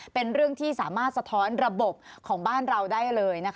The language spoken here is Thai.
เป็นเรื่องที่สามารถสะท้อนระบบของบ้านเราได้เลย